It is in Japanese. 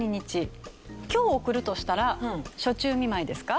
今日送るとしたら暑中見舞いですか？